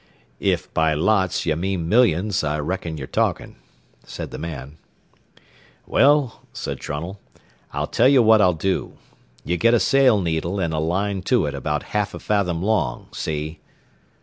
"If by lots ye means millions, I reckon ye're talkin'," said the man. "Well," said Trunnell, "I'll tell ye what I'll do. You get a sail needle an' a line to it about half a fathom long, see?"